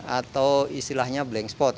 atau istilahnya blank spot